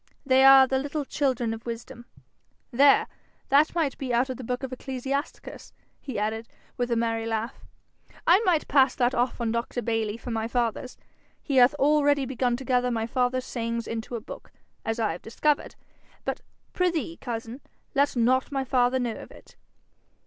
'They are the little children of wisdom. There! that might be out of the book of Ecclesiasticus,' he added, with a merry laugh. 'I might pass that off on Dr. Bayly for my father's: he hath already begun to gather my father's sayings into a book, as I have discovered. But, prithee, cousin, let not my father know of it.'